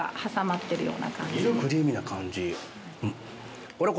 クリーミーな感じ。